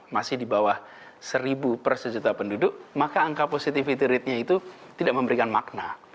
masih di bawah seribu per sejuta penduduk maka angka positivity ratenya itu tidak memberikan makna